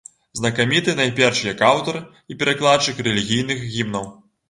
Знакаміты найперш як аўтар і перакладчык рэлігійных гімнаў.